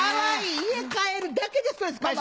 家帰るだけでストレス解消。